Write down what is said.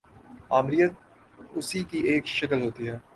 آمریت اسی کی ایک شکل ہوتی ہے۔